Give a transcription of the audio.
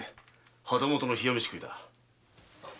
旗本の冷や飯食いだ。